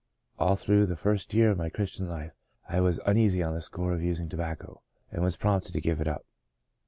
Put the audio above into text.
All through the first year of my Christian life I was uneasy on the score of using tobacco, and was prompted to give it up.